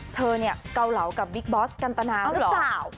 เธอเนี่ยเกาเหลากับบิ๊กบอสกันตนาหรือเปล่า